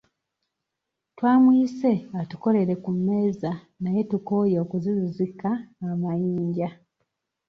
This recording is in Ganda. Twamuyise atukolere ku mmeeza naye tukooye okuzizizika amayinja.